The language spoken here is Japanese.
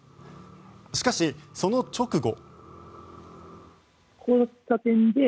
しかし、その直後。